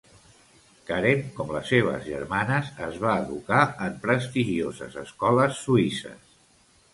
Karen, com les seves germanes, es va educar en prestigioses escoles suïsses.